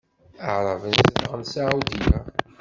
Aɛṛaben zedɣen Saɛudya.